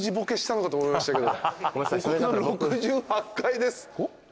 ここの６８階です。